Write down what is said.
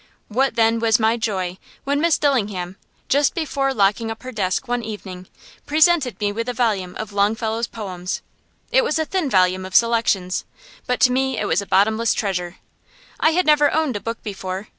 What, then, was my joy, when Miss Dillingham, just before locking up her desk one evening, presented me with a volume of Longfellow's poems! It was a thin volume of selections, but to me it was a bottomless treasure. I had never owned a book before.